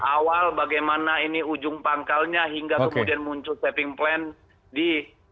awal bagaimana ini ujung pangkalnya hingga kemudian muncul stepping plan di dua ribu tiga belas